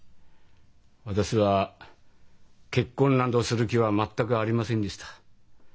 私は結婚などする気は全くありませんでした。